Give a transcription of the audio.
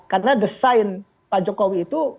karena desain pak jokowi itu